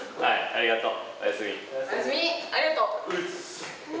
ありがとう。